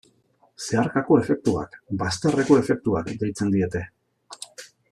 Zeharkako efektuak, bazterreko efektuak, deitzen diete.